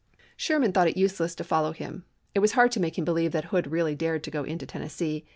Sherman thought it useless to follow him. It was hard to make him believe that Hood really dared to go into Tennessee.